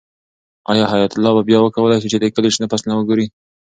آیا حیات الله به بیا وکولی شي چې د کلي شنه فصلونه وګوري؟